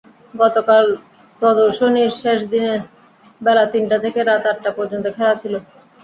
গতকাল প্রদর্শনীর শেষ দিনে বেলা তিনটা থেকে রাত আটটা পর্যন্ত খোলা ছিল।